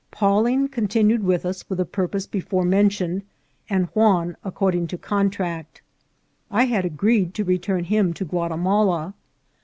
Pawling continued with us for the purpose be fore mentioned, and Juan according to contract. I had agreed to return him to Guatimala.